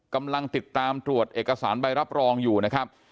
กำลังติดตามตรวจเอกสารใบรับรองอยู่นะครับ